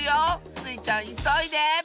スイちゃんいそいで！